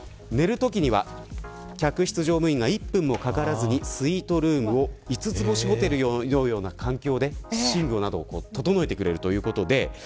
寝るときには客室乗務員が１分もかからずにスイートルームを五つ星ホテルのように寝具を整えてくれるということです。